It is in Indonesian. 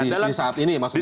di saat ini maksudnya